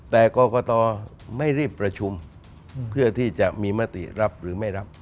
แต่กรกตไม่รีบประชุมเพื่อที่จะมีมติรับหรือไม่รับ